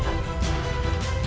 kepada ayah anda